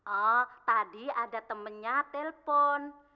oh tadi ada temennya telpon